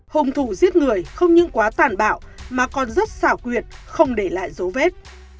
hùng thủ giết người không những quá tàn bạo mà còn rất xảo quyệt không để lại dấu vết